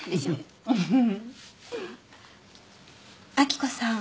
明子さん。